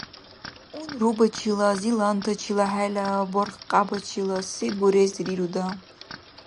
Унрубачила, зилантачила хӀела бархкьябачила се бурес рируда?